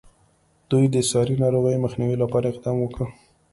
دوی د ساري ناروغیو مخنیوي لپاره اقدام وکړ.